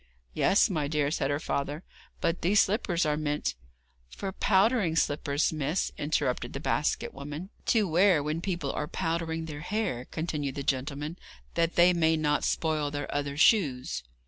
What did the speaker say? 'Yes, my dear,' said her father, 'but these slippers are meant ' 'For powdering slippers, miss,' interrupted the basket woman. 'To wear when people are powdering their hair,' continued the gentleman, 'that they may not spoil their other shoes.'